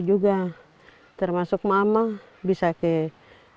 sejak tahun dua ribu enam belas kota kampung kapacol memiliki kegiatan yang lebih besar dari kota amerika